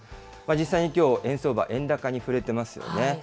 実際にきょう、円相場、円高に振れてますよね。